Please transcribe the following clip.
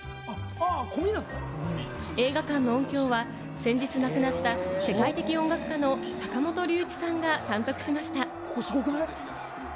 映画館の音響は先日亡くなった世界的音楽家の坂本龍一さんが監督しました。